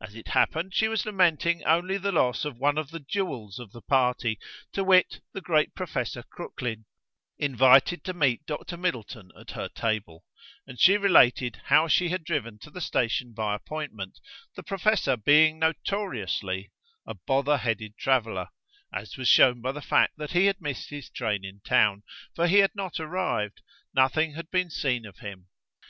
As it happened, she was lamenting only the loss of one of the jewels of the party: to wit, the great Professor Crooklyn, invited to meet Dr. Middleton at her table; and she related how she had driven to the station by appointment, the professor being notoriously a bother headed traveller: as was shown by the fact that he had missed his train in town, for he had not arrived; nothing had been seen of him.